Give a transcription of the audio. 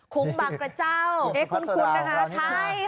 คุ้มบังกระเจ้าคุณสุพัสราของเรานี่นะ